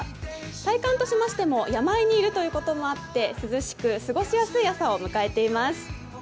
体感としましても山あいにいるということもあって涼しく過ごしやすい朝を迎えています。